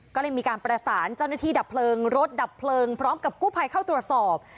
ก็เลยมีการประสานเจ้าหน้าที่ดับเพลิงรถดับเพลิงพร้อมกับกู้ภัยเข้าตรวจสอบ